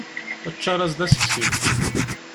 Ččar-as-d aseksiw.